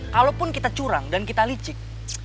kalaupun kita curang dan kita licik